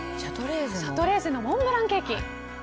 シャトレーゼのモンブランケーキ。